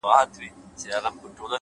هوډ د ستونزو تر شا فرصتونه لټوي,